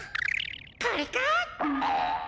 これか！